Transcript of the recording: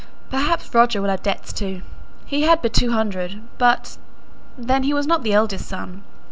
Perhaps Roger will have debts too! He had but two hundred; but, then, he was not the eldest son.